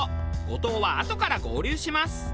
後藤はあとから合流します。